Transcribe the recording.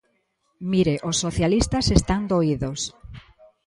Mire, os socialistas están doídos.